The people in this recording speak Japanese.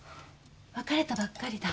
別れたばっかりだ。